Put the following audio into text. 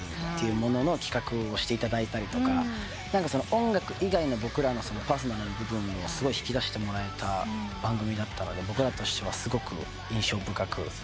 音楽以外の僕らのパーソナルな部分をすごい引き出してもらえた番組だったので僕らとしてはすごく印象深く思い出に残ってます。